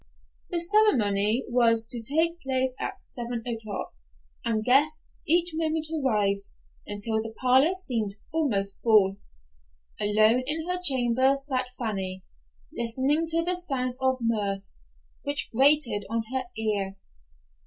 The ceremony was to take place at seven o'clock, and guests each moment arrived, until the parlor seemed almost full. Alone in her chamber sat Fanny, listening to the sounds of mirth, which grated on her ear.